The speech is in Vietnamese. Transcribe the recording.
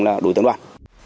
là đối tượng đoàn